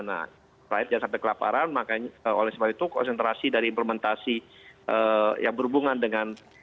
nah rakyat jangan sampai kelaparan makanya oleh sebab itu konsentrasi dari implementasi yang berhubungan dengan